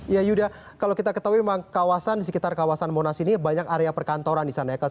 ya yuda kalau kita ketahui memang kawasan di sekitar kawasan monas ini banyak area perkantoran di sana ya